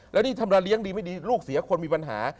แล้วนี่ทำละเลี้ยงดีไม่ดีลูกเสียคนมีปัญหา